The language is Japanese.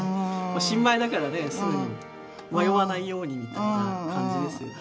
新米だからねすぐに迷わないようにみたいな感じですよね。